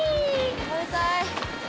食べたい！